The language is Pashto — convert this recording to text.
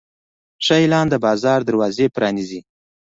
ښه اعلان د بازار دروازې پرانیزي.